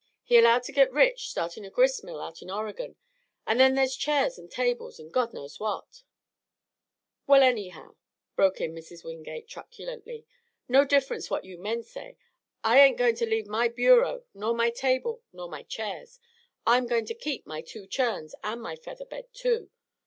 He allowed to get rich startin' a gris'mill out in Oregon. An' then ther's chairs an' tables, an' God knows what " "Well, anyhow," broke in Mrs. Wingate truculently, "no difference what you men say, I ain't going to leave my bureau, nor my table, nor my chairs! I'm going to keep my two churns and my feather bed too.